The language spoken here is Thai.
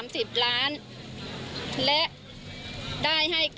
สาโชค